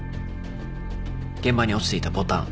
現場に落ちていたボタン。